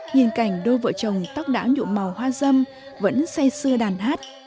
nhìn cảnh đôi vợ chồng tóc đảo nhụm màu hoa dâm vẫn say sưa đàn hát